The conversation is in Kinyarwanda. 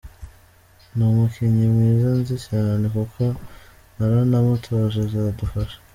Ni umukinnyi mwiza nzi cyane kuko naranamutoje azadufasha.